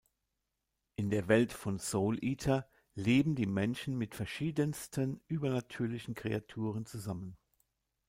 In der Welt von "Soul Eater" leben die Menschen mit verschiedensten übernatürlichen Kreaturen zusammen.